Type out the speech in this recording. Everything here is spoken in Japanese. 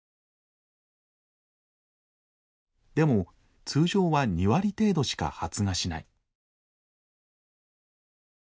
でも通常は２割程度しか発芽しない。